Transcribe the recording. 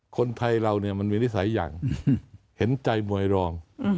คนไทยเราเนี่ยมันมีนิสัยอย่างเห็นใจมวยรอง